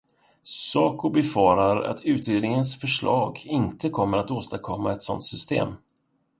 Saco befarar att utredningens förslag inte kommer att åstadkomma ett sådant system.